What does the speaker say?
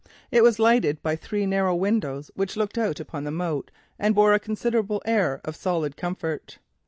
It was lighted by three narrow windows which looked out upon the moat, and bore a considerable air of solid comfort.